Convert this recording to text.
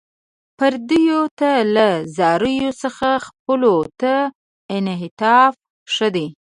پردیو ته له زاریو څخه خپلو ته انعطاف ښه دی.